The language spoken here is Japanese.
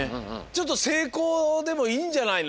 ちょっとせいこうでもいいんじゃないの？